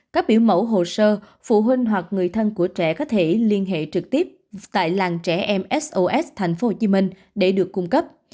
các biểu mẫu hồ sơ phụ huynh hoặc người thân của trẻ có thể liên hệ trực tiếp tại làng trẻ em sos tp hcm để được cung cấp